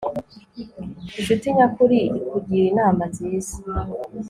incuti nyakuri ikugira inama nziza